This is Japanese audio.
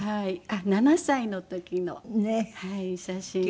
７歳の時の写真です。